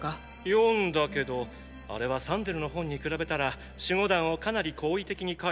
読んだけどあれはサンデルの本に比べたら守護団をかなり好意的に書いてるよね。